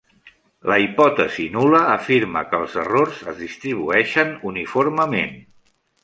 La hipòtesi nul·la afirma que els errors es distribueixen uniformement.